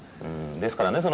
ですからねその。